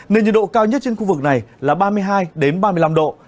nền nhiệt độ cao nhất trên khu vực này là ba mươi hai ba mươi năm độ